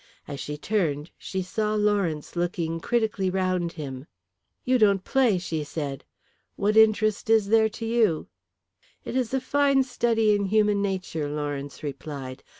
As she turned, she saw Lawrence looking critically round him. "You don't play," she said. "What interest is there to you?" "It is a fine study in human nature," Lawrence replied.